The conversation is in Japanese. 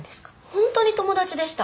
ホントに友達でした。